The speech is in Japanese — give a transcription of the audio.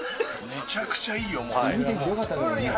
めちゃくちゃいいよ。